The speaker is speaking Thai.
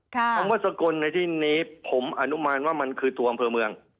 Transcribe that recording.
คำว่าสกลในที่นี้ผมอนุมานว่ามันคือตัวอำเภอเมือง